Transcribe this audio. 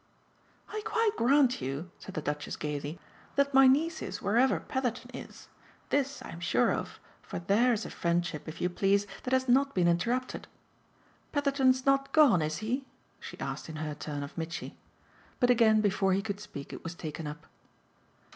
"I quite grant you," said the Duchess gaily, "that my niece is wherever Petherton is. This I'm sure of, for THERE'S a friendship, if you please, that has not been interrupted. Petherton's not gone, is he?" she asked in her turn of Mitchy. But again before he could speak it was taken up.